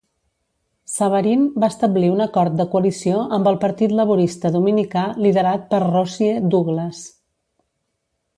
Savarin va establir un acord de coalició amb el partit laborista dominicà liderat per Roosie Douglas.